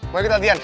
mau ikut latihan